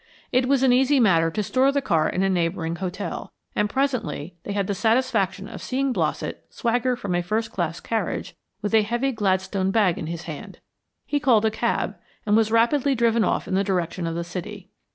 It was an easy matter to store the car in a neighboring hotel, and presently they had the satisfaction of seeing Blossett swagger from a first class carriage with a heavy Gladstone bag in his hand. He called a cab and was rapidly driven off in the direction of the city.